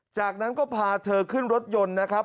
จากนั้นก็พาเธอขึ้นรถยนต์นะครับ